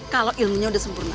kalau ilmunya udah sempurna